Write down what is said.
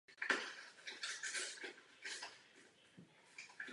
Kromě místního obyvatelstva jej používají také srbské komunity v jihozápadním Rumunsko.